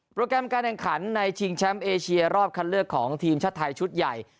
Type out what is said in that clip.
แกรมการแข่งขันในชิงแชมป์เอเชียรอบคันเลือกของทีมชาติไทยชุดใหญ่